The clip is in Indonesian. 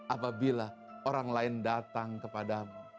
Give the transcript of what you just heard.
apabila orang lain datang kepadamu